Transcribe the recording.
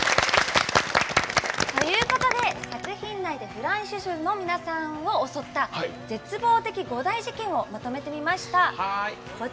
作品内でフランシュシュの皆さんを襲った絶望的五大事件をまとめてみました。